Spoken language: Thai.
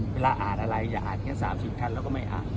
เวลาอ่านอะไรอย่าอ่านแค่๓๐ท่านแล้วก็ไม่อ่าน